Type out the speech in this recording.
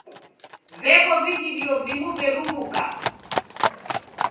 Veko vighirio vimu veruw'uka.